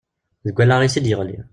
Deg wallaɣ-is i d-yeɣli.